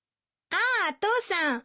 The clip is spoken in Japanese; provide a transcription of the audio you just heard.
ああ父さん。